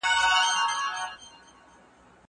زه پرون ږغ واورېد؟